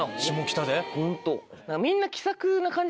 ホント。